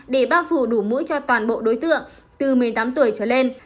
để bác phụ đủ mũi cho toàn bộ đối tượng từ một mươi tám tuổi trở lên